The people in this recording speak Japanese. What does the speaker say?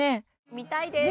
見たいです！